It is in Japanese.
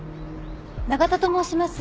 永田と申します。